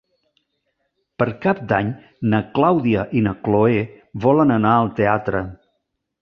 Per Cap d'Any na Clàudia i na Cloè volen anar al teatre.